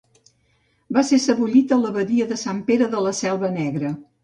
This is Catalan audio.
Va ser sebollit a l'Abadia de sant Pere de la Selva Negra.